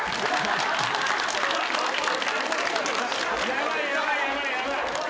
ヤバいヤバいヤバいヤバい。